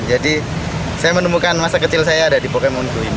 jadi saya menemukan masa kecil saya ada di pokemon go ini